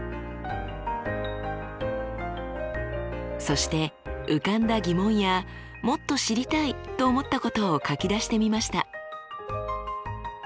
そして浮かんだ疑問やもっと知りたいと思ったことを書き出してみました。